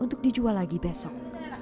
untuk dijual lagi besok